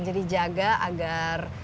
jadi jaga agar